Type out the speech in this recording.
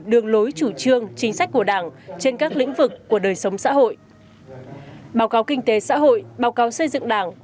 đường lối chủ trương chính sách của đảng trên các lĩnh vực của đời sống